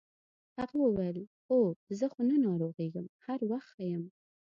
هغه وویل اوه زه خو نه ناروغیږم هر وخت ښه یم.